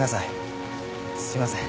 すいません。